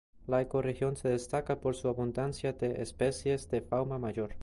La ecorregión se destaca por su abundancia de especies de fauna mayor.